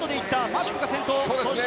マシュクが先頭。